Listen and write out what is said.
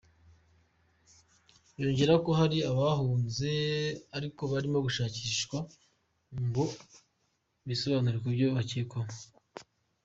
Yongeraho ko hari abahunze ariko barimo gushakishwa ngo bisobanure ku byo bakekwaho.